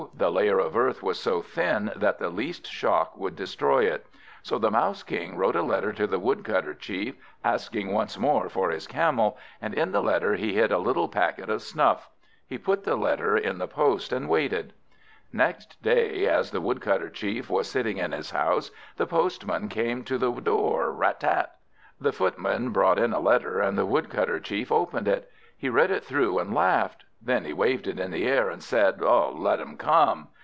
The layer of earth was so thin, that the least shock would destroy it. So the Mouse King wrote a letter to the Woodcutter Chief, asking once more for his Camel, and in the letter he hid a little packet of snuff. He put the letter in the post, and waited. Next day, as the Woodcutter Chief was sitting in his house, the postman came to the door Rat tat. The footman brought in a letter, and the Woodcutter Chief opened it. He read it through, and laughed. Then he waved it in the air, and said, "Let them come."